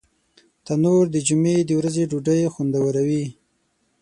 تنور د جمعې د ورځې ډوډۍ خوندوروي